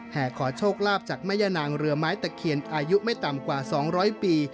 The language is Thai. ขอโชคลาภจากแม่ย่านางเรือไม้ตะเคียนอายุไม่ต่ำกว่า๒๐๐ปี